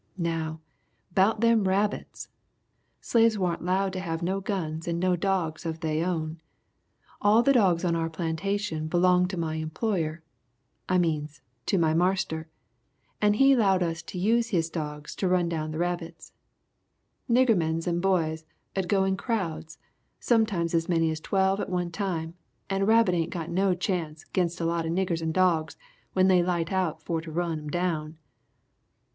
"Now, 'bout them rabbits! Slaves warn't 'lowed to have no guns and no dogs of they own. All the dogs on our plantation belonged to my employer I means, to my marster, and he 'lowed us to use his dogs to run down the rabbits. Nigger mens and boys 'ud go in crowds, sometimes as many as twelve at one time, and a rabbit ain't got no chance 'ginst a lot of niggers and dogs when they light out for to run 'im down!